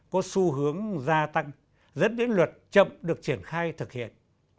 có xu hướng gia tăng dẫn đến luật chậm được triển khai thực hiện